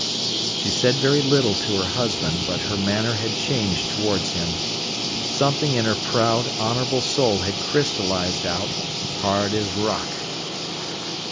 She said very little to her husband, but her manner had changed towards him. Something in her proud, honourable soul had crystallised out hard as rock.